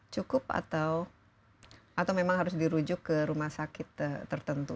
cukup atau memang harus dirujuk ke rumah sakit tertentu